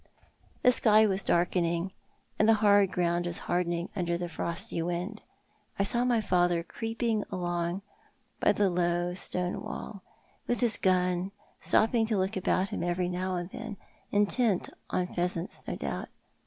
The sky was darkening, and the hard ground was hardening under the frosty wind. I saw my father creeping along by the low stone wall, with his gun, stopping to look about him every now and then, intent on pheasants, no doubt.